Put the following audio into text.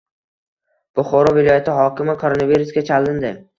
Buxoro viloyati hokimi koronavirusga chalindi